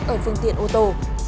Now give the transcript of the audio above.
ở phương tiện ô tô